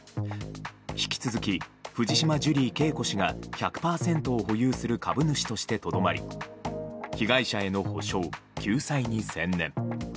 引き続き、藤島ジュリー景子氏が１００％を保有する株主としてとどまり被害者への補償・救済に専念。